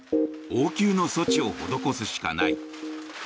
応急の措置を施すしかない。